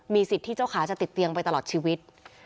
สิทธิ์ที่เจ้าขาจะติดเตียงไปตลอดชีวิต